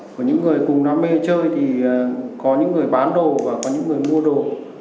của những người cùng đam mê chơi thì có những người bán đồ và có những người mua đồ